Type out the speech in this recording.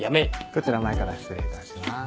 こちら前から失礼いたします。